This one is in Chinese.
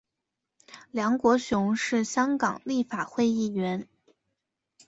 梁国雄是香港立法会议员。